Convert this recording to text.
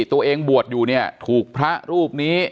ตัวเองบวชอยู่เนี่ยถูกพระรูปนี้